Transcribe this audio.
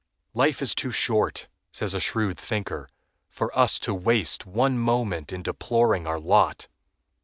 "Life is too short," says a shrewd thinker, "for us to waste one moment in deploring our lot.